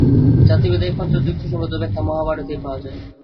জাতিভেদের একমাত্র যুক্তিসঙ্গত ব্যাখ্যা মহাভারতেই পাওয়া যায়।